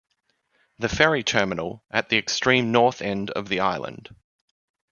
The ferry terminal at the extreme north end of the island.